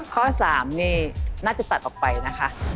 ข้อ๓นี่น่าจะตัดออกไปนะคะ